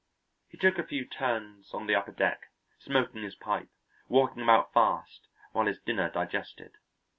He took a few turns on the upper deck, smoking his pipe, walking about fast, while his dinner digested.